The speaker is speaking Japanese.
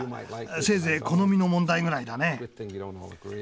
せいぜい好みの問題ぐらいだね。